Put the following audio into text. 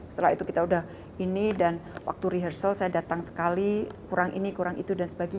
setelah itu kita udah ini dan waktu rehearsal saya datang sekali kurang ini kurang itu dan sebagainya